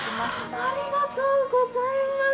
ありがとうございます。